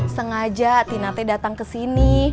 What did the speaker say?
sengaja tina t datang kesini